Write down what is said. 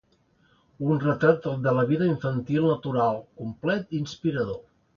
Un retrat de la vida infantil, natural, complet i inspirador.